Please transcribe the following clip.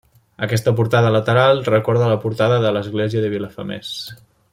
Aquesta portada lateral recorda a la portada de l'església de Vilafamés.